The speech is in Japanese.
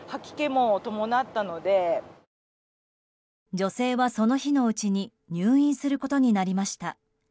女性はその日のうちに入院することになりました。